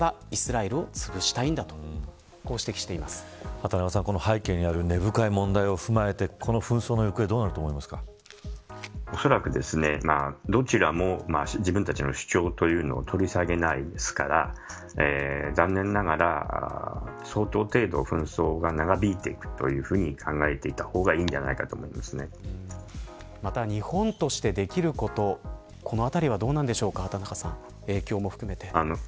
畑中さん、この背景にある根深い問題を踏まえてこの紛争の行方おそらく、どちらも自分たちの主張を取り下げないですから残念ながら相当程度、紛争が長引いていくというふうに考えていた方がまた、日本としてできることこのあたりはどうなんでしょうか畑中さん、影響も含めて。